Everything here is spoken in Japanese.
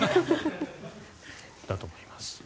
だと思います。